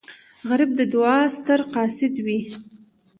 غریب د دعا ستر قاصد وي